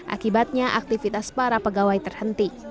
akibatnya aktivitas para pegawai terhenti